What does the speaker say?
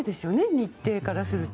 日程からすると。